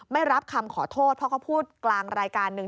ไม่รับคำขอโทษเพราะเขาพูดกลางรายการหนึ่ง